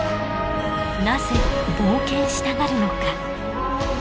なぜ冒険したがるのか。